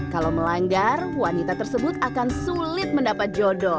kalau melanggar wanita tersebut akan sulit mendapat jodoh